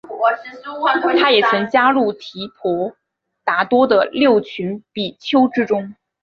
他也曾加入提婆达多的六群比丘之中。